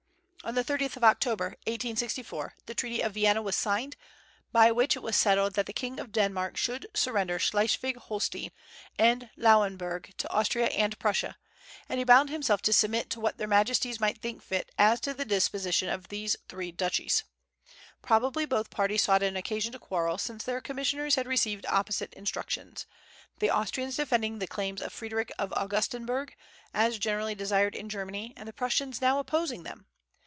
On the 30th of October, 1864, the Treaty of Vienna was signed, by which it was settled that the king of Denmark should surrender Schleswig Holstein and Lauenburg to Austria and Prussia, and he bound himself to submit to what their majesties might think fit as to the disposition of these three duchies. Probably both parties sought an occasion to quarrel, since their commissioners had received opposite instructions, the Austrians defending the claims of Frederick of Augustenburg, as generally desired in Germany, and the Prussians now opposing them.